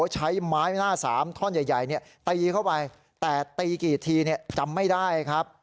ใช้ไม้หน้าสามท่อนใหญ่ตีเข้าไปแต่ตีกี่ทีจำไม่ได้ครับ